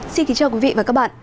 xin kính chào quý vị và các bạn